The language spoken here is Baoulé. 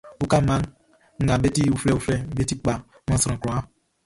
Uwka mma nga be ti uflɛuflɛʼn, be ti kpa man sran kwlaa.